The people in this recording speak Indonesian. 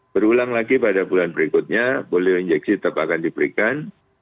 berulang lagi pada bulan berikutnya polio injeksi tetap akan diberikan